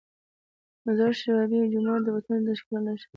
د مزار شریف آبي جومات د وطن د ښکلا نښه ده.